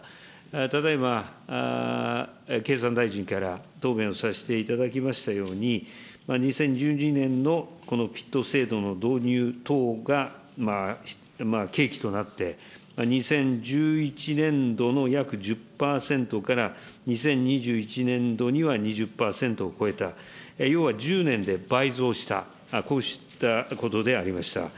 ただいま、経産大臣から答弁をさせていただきましたように、２０１２年のこのＦＩＴ制度の導入等が契機となって、２０１１年度の約１０％から、２０２１年度には２０％を超えた、要は１０年で倍増した、こうしたことでありました。